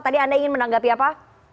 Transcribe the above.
tadi anda ingin menanggapi apa